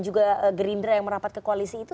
juga gerindra yang merapat ke koalisi itu